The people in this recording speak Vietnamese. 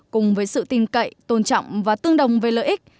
cùng với sự tin cậy tôn trọng và tương đồng về lợi ích